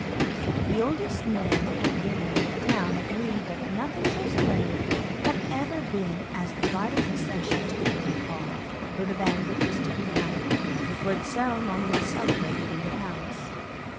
The oldest men and women in the town agreed that nothing so splendid had ever been seen as the bridal procession to the great hall, where the banquet was to be held, before the ceremony was celebrated in the palace.